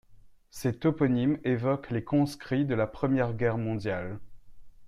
Ces toponymes évoquent les conscrits de la première guerre mondiale.